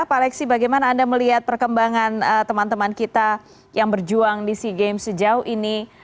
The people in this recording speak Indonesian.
pak alexi bagaimana anda melihat perkembangan teman teman kita yang berjuang di sea games sejauh ini